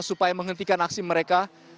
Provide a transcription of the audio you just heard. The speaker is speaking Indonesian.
supaya menghentikan aksi mereka